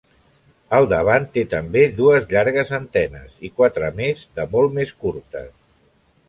Al davant té també dues llargues antenes i quatre més de molt més curtes.